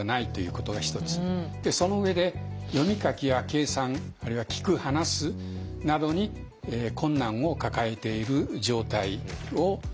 その上で読み書きや計算あるいは聞く話すなどに困難を抱えている状態をいいます。